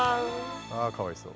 ああかわいそう